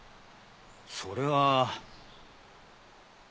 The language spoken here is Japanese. それは。